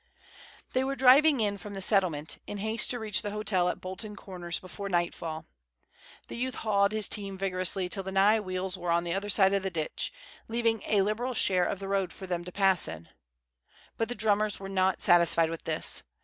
They were driving in from the Settlement, in haste to reach the hotel at Bolton Corners before nightfall. The youth hawed his team vigorously till the nigh wheels were on the other side of the ditch, leaving a liberal share of the road for them to pass in. But the drummers were not satisfied with this.